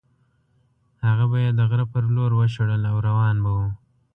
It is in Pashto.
هغه به یې د غره په لور وشړل او روان به وو.